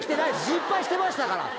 失敗してましたから。